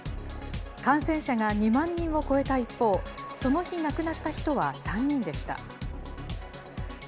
感染者が２万人を超えた一方、その日亡くなった人は３人でした。